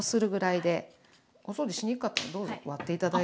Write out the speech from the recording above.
お掃除しにくかったらどうぞ割って頂いて。